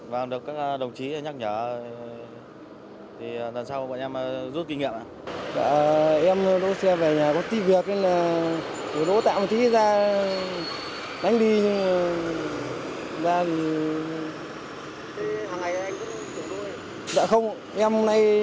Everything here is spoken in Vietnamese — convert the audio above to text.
và được các đồng chí nhắc nhở lần sau bọn em rút kinh nghiệm